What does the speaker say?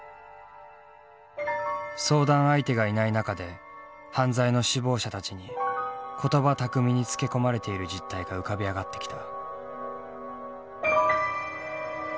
相談相手がいない中で犯罪の首謀者たちに言葉巧みにつけ込まれている実態が浮かび上がってきた。